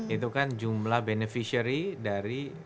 itu kan jumlah beneficiary dari